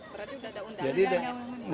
berarti sudah ada undangan ya